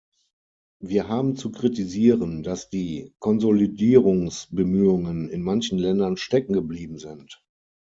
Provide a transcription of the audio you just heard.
Wir haben zu kritisieren, dass die Konsolidierungsbemühungen in manchen Ländern steckengeblieben sind.